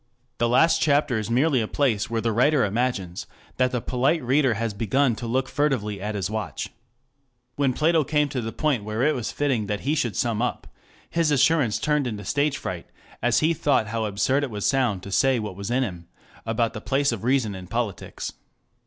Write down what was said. The last chapter is merely a place where the writer imagines that the polite reader has begun to look furtively at his watch. 2 When Plato came to the point where it was fitting that he should sum up, his assurance turned into stage fright as he thought how absurd it would sound to say what was in him about the place of reason in politics.